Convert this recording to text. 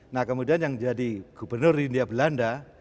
nah kemudian yang jadi gubernur india belanda